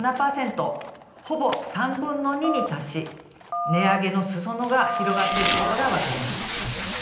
ほぼ３分の２に達し値上げのすそ野が広がっていることが分かります。